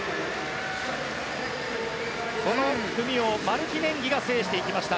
この組をマルティネンギが制していきました。